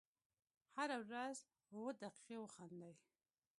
هره ورځ اووه دقیقې وخاندئ .